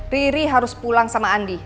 riri harus pulang sama andi